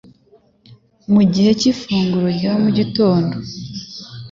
Mu gihe cy’ifunguro rya mugitondo,